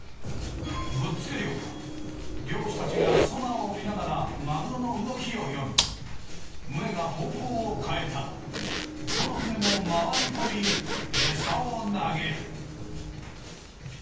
ぶっつけ漁は漁師たちがソナーを見ながらマグロの動きを読み群れが方向を変えたらどの船も回り込みエサを投げる。